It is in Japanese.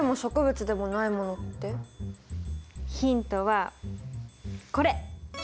ヒントはこれ。